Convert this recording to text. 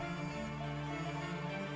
perjalanan ke wilayah sawang